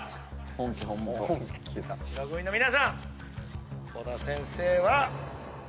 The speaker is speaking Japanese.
白組の皆さん尾田先生は。